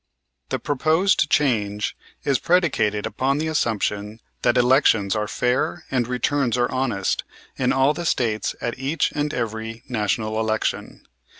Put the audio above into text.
"The proposed change is predicated upon the assumption that elections are fair and returns are honest in all the States at each and every National election.